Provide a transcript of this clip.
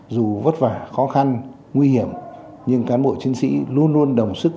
dù vất vả khó khăn nguy hiểm nhưng cán bộ chiến sĩ luôn luôn đồng sức